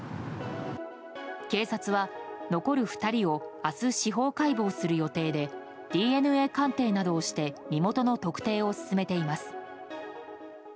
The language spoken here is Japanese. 警察は残る２人を明日、司法解剖する予定でＤＮＡ鑑定などをして身元の特定を進めています。